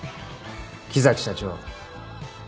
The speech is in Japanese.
木崎社長。